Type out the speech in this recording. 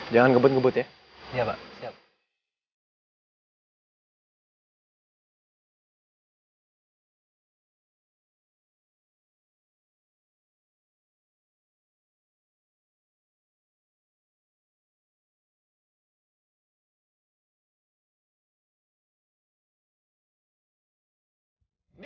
jangan gebut gebut ya